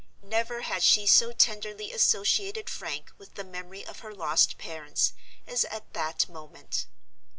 Never had she so tenderly associated Frank with the memory of her lost parents, as at that moment.